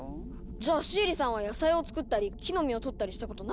じゃあシエリさんは野菜を作ったり木の実を採ったりしたことないんですか？